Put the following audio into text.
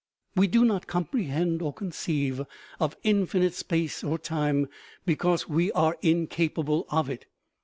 We do not comprehend or conceive of infinite space or time, because we are incapable of it.